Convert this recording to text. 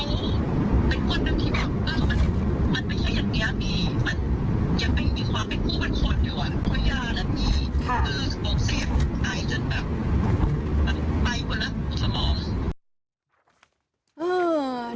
อืม